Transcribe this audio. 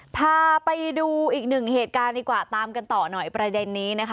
พาไปดูอีกหนึ่งเหตุการณ์ดีกว่าตามกันต่อหน่อยประเด็นนี้นะคะ